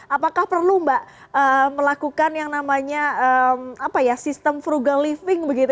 apakah perlu mbak melakukan yang namanya sistem frugal living begitu